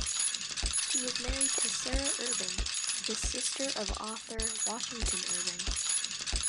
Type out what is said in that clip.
He was married to Sarah Irving, the sister of author Washington Irving.